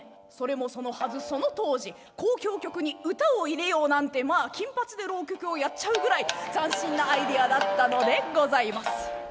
その当時交響曲に歌を入れようなんてまあ金髪で浪曲をやっちゃうぐらい斬新なアイデアだったのでございます。